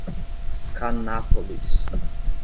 Canápolis